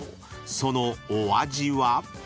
［そのお味は？］